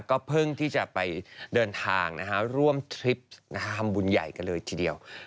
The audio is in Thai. ก็เพิ่งที่จะไปเดินทางร่วมทริปทำบุญใหญ่กันเลยทีเดียว